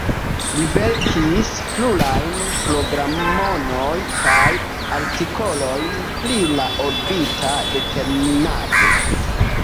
Li verkis plurajn programojn kaj artikolojn pri la orbita determinado.